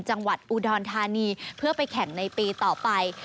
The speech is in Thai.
จังหวัดอุดรธานีเพื่อไปแข่งในปีต่อไป